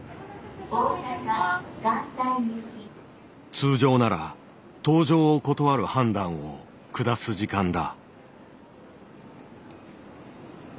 通常なら搭乗を断る判断を下す時間だ。